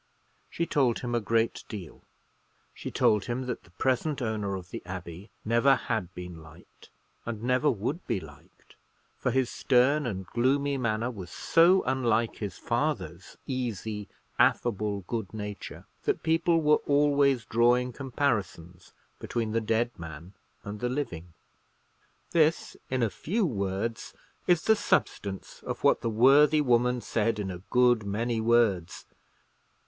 She told him a great deal; she told him that the present owner of the Abbey never had been liked, and never would be liked: for his stern and gloomy manner was so unlike his father's easy, affable good nature, that people were always drawing comparisons between the dead man and the living. This, in a few words, is the substance of what the worthy woman said in a good many words.